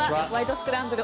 スクランブル」